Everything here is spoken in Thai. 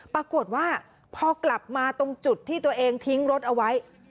ปรากฏว่าพอกลับมาตรงจุดที่ตัวเองทิ้งรถเอาไว้